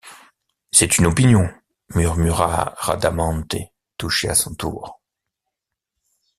C’est une opinion, murmura Rhadamante touché à son tour.